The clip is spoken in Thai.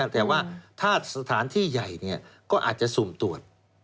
แต่ว่าถ้าสถานที่ใหญ่ก็อาจจะสุ่มตรวจ